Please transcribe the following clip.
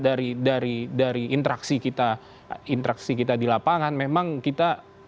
dari interaksi kita di lapangan memang kita